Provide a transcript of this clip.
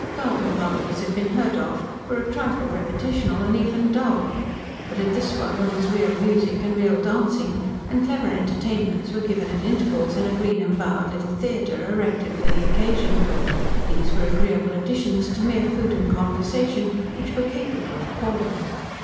Garden parties had been heard of, were a trifle repetitional, and even dull, but at this one there was real music and real dancing, and clever entertainments were given at intervals in a green embowered little theatre, erected for the occasion. These were agreeable additions to mere food and conversation, which were capable of palling.